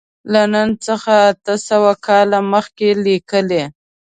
له نن څخه اته سوه کاله مخکې لیکلی.